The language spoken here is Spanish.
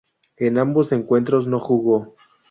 En ambos encuentros no jugó.